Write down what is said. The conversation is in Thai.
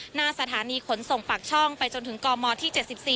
หน้าสถานีขนส่งปากช่องไปจนถึงกมที่๗๔